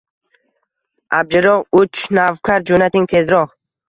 Abjirroq uch navkar jo’nating tezroq